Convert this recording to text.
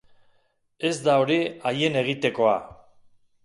Ez da hori haien egitekoa.